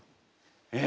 え！